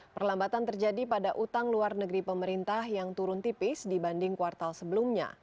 perlambatan terjadi pada utang luar negeri pemerintah yang turun tipis dibanding kuartal sebelumnya